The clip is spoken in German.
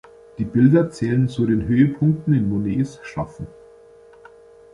Die Bilder zählen zu den Höhepunkten in Monets Schaffen.